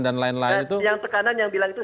dan lain lain itu yang tekanan yang bilang itu